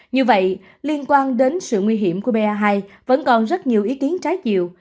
như vậy liên quan đến sự nguy hiểm của ba vẫn còn rất nhiều ý kiến trái chiều